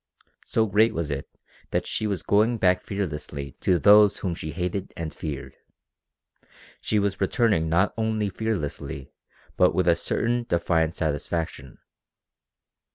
So great was it that she was going back fearlessly to those whom she hated and feared. She was returning not only fearlessly but with a certain defiant satisfaction.